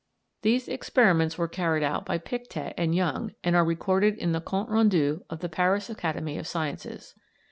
These experiments were carried out by Pictet and Young, and are recorded in the Comptes Rendus of the Paris Academy of Sciences.